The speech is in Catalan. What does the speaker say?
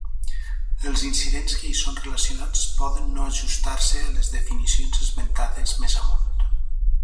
Els incidents que hi són relacionats poden no ajustar-se a les definicions esmentades més amunt.